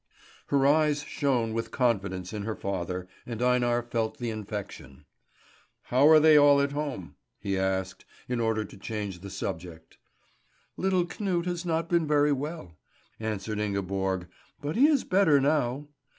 Her eyes shone with confidence in her father, and Einar felt the infection. "How are they all at home?" he asked, in order to change the subject. "Little Knut has not been very well," answered Ingeborg, "but he is better now."